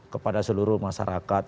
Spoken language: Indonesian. kepada seluruh masyarakat